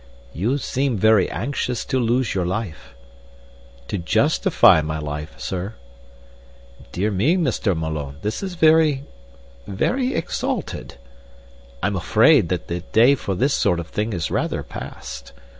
"You seem very anxious to lose your life." "To justify my life, Sir." "Dear me, Mr. Malone, this is very very exalted. I'm afraid the day for this sort of thing is rather past.